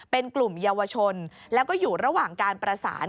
เป็นกลุ่มเยาวชนแล้วก็อยู่ระหว่างการประสาน